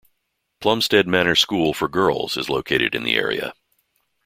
Plumstead Manor School for girls is located in the area.